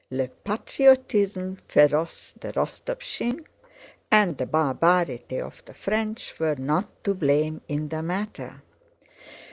"Le patriotisme féroce de Rostopchíne" and the barbarity of the French were not to blame in the matter.